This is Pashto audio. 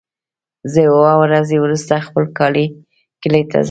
زه اووه ورځې وروسته خپل کلی ته ځم.